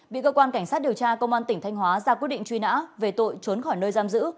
bị cơ quan cảnh sát điều tra công an tỉnh thanh hóa ra quyết định truy nã về tội trốn khỏi nơi giam giữ